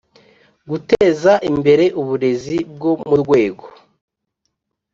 Guteza imbere uburezi bwo mu rwego